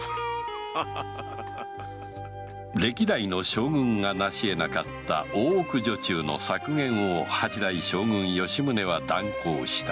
歴代の将軍が為し得なかった大奥女中の削減を八代将軍・吉宗は断行した